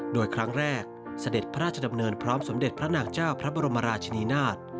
โดยครั้งแรกเสด็จพระราชดำเนินพร้อมสมเด็จพระนางเจ้าพระบรมราชินีนาฏ